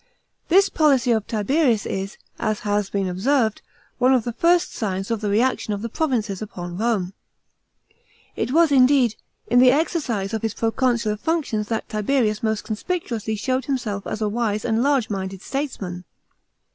This policy of Tiberius is, as has been observed, one of the first signs of the reaction of the provinces upon Rome. It was, indeed, in the exercise of his proconsular functions that Tiberius most conspicuously showtd himself as a wise and largo minded statesman.